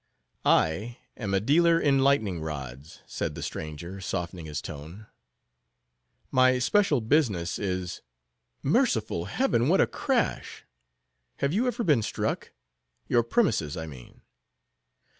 "I am a dealer in lightning rods," said the stranger, softening his tone; "my special business is—Merciful heaven! what a crash!—Have you ever been struck—your premises, I mean?